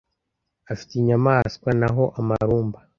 afite inyamaswa Naho amarumba